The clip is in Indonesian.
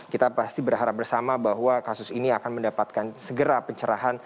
kita pasti berharap bersama bahwa kasus ini akan mendapatkan segera pencerahan